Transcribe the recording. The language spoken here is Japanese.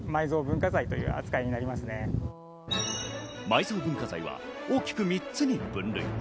埋蔵文化財は大きく３つに分類。